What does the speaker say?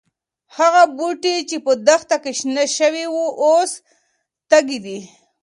هغه بوټي چې په دښته کې شنه شوي وو، اوس تږي دي.